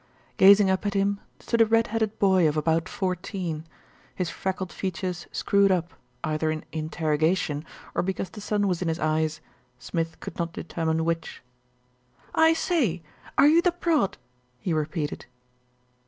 Gazing up at him stood a red headed boy of about fourteen, his freckled features screwed up, either in interrogation or because the sun was in his eyes, Smith could not determine which. "I say, are you the prod?" he repeated.